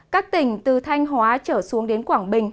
các tỉnh từ thanh hóa trở xuống đến quảng bình